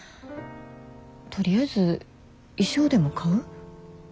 とりあえず衣装でも買う？